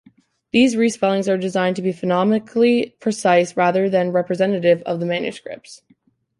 These respellings are designed to be phonemically precise rather than representative of the manuscripts.